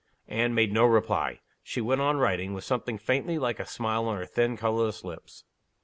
Anne made no reply. She went on writing, with something faintly like a smile on her thin, colorless lips.